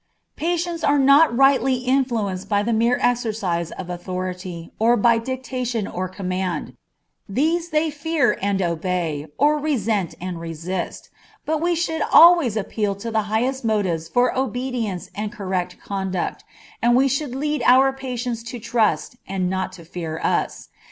Patients are not rightly influenced by the mere exercise of authority or by dictation or command; these they fear and obey, or resent and resist; but we should always appeal to the highest motives for obedience and correct conduct, and we should lead our patients to trust and not to fear us.